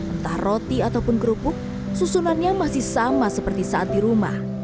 entah roti ataupun kerupuk susunannya masih sama seperti saat di rumah